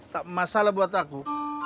tak masalah buat aku